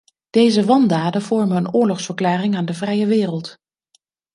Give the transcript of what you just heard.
Deze wandaden vormen een oorlogsverklaring aan de vrije wereld.